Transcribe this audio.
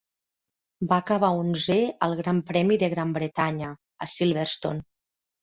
Va acabar onzè al Gran Premi de Gran Bretanya, a Silverstone.